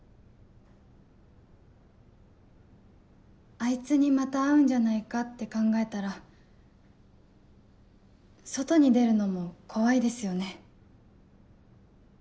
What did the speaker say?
・あいつにまた会うんじゃないかって考えたら外に出るのも怖いですよね。